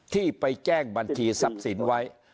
ที่ไปแจ้งบัญชีทรัพย์สินไว้